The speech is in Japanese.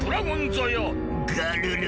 『ガルル』。